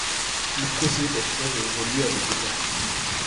Le procédé d'affinage a évolué avec le temps.